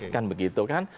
kan begitu kan